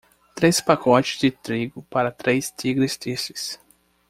três pacotes de trigo para três tigres tristes